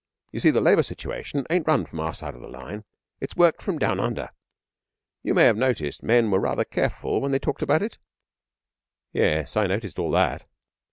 You see, the Labour situation ain't run from our side the line. It's worked from down under. You may have noticed men were rather careful when they talked about it?' 'Yes, I noticed all that.'